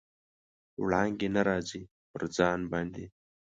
وړانګې نه راځي، پر ځان باندې